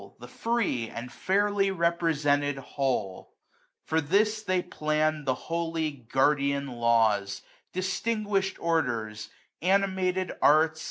The free^^ and fairly represented Whole ; 100 For this they planned the holy guardian laws ; Distinguished orders, animated arts.